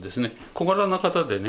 小柄な方でね。